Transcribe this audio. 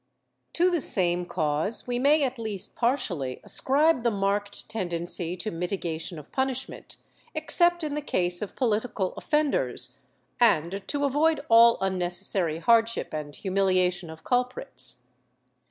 To the same cause we may, at least partially, ascribe the marked tendency to mitigation of punishment — except in the case of politi cal offenders — and to avoid all unnecessary hardship and humil iation of culprits.